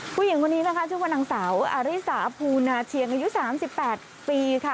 ผู้หญิงคนนี้นะคะชื่อว่านางสาวอาริสาภูนาเชียงอายุ๓๘ปีค่ะ